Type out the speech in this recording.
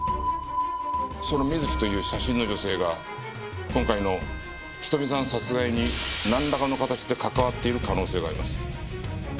そのミズキという写真の女性が今回の瞳さん殺害になんらかの形で関わっている可能性があります。